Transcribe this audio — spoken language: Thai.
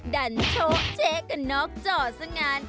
ดันโช๊ะเจ๊กันนอกจ่อสงาน